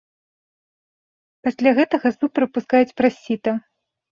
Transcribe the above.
Пасля гэтага суп прапускаюць праз сіта.